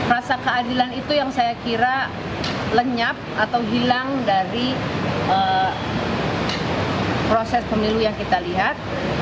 rasa keadilan itu yang saya kira lenyap atau hilang dari proses pemilu yang kita lihat